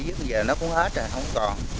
giữa bây giờ nó cũng hết rồi không còn